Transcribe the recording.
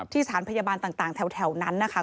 สถานพยาบาลต่างแถวนั้นนะคะ